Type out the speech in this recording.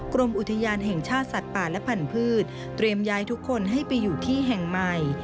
กรมอุทยานแห่งชาติสัตว์ป่าและพันธุ์เตรียมย้ายทุกคนให้ไปอยู่ที่แห่งใหม่